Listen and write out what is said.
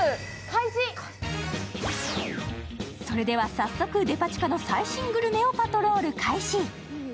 早速、デパ地下の最新グルメをパトロール開始。